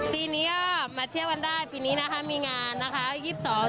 ปีนี้มาเที่ยววันได้ปีนี้มีงานนะคะ๒๒๒๓อาทิตย์จันทร์ค่ะ